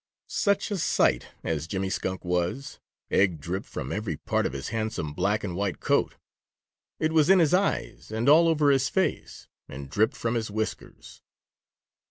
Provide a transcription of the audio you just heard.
Such a sight as Jimmy Skunk was! Egg dripped from every part of his handsome black and white coat. It was in his eyes and all over his face and dripped from his whiskers.